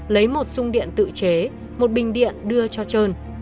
lấy một sung điện tự chế một bình điện đưa cho trơn